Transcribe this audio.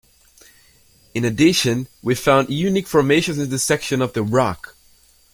In addition, we found unique formations in this section of the rock.